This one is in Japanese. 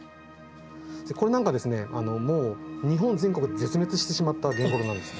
これなんかもう日本全国で絶滅してしまったゲンゴロウなんです。